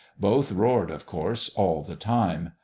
Both roared, of course, all the time.